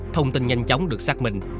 thông tin nhanh chóng được xác minh